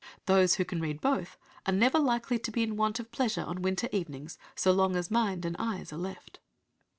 Those who can read both are never likely to be in want of pleasure on winter evenings so long as mind and eyes are left.